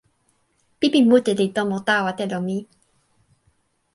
pipi mute li tomo tawa telo mi.